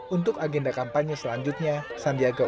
untuk agenda kampanye selanjutnya sandiaga uno